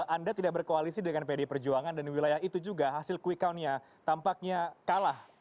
anda tidak berkoalisi dengan pd perjuangan dan di wilayah itu juga hasil quick countnya tampaknya kalah